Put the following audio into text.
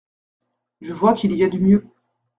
Je vois qu’il y a du mieux.